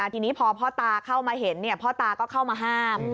ทีนี้พอพ่อตาเข้ามาเห็นพ่อตาก็เข้ามาห้าม